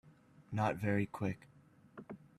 Not very Quick